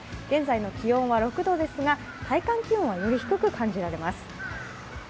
現在の気温は６度ですが、体感気温はより低く感じられます。